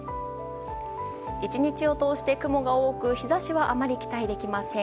１日を通して雲が多く日差しはあまり期待できません。